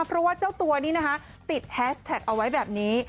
เพราะว่าเจ้าตัวนี้นะคะติดแฮชแท็กเอาไว้แบบนี้